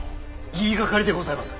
言いがかりでございます！